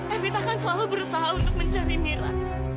evita kan selalu berusaha untuk mencari mira